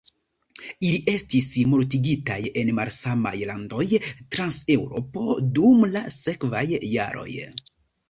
Ili estis mortigitaj en malsamaj landoj trans Eŭropo, dum la sekvaj jaroj.